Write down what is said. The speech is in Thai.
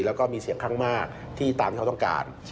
แล้วก็มีเสียงข้างมากที่ตามที่เขาต้องการ